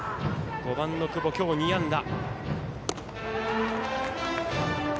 ５番の久保、今日２安打。